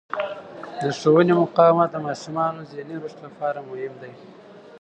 د ښوونې مقاومت د ماشومانو ذهني رشد لپاره مهم دی.